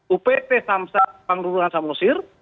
upt samsat panguruhan samusir